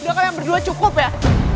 udah kan yang berdua cukup ya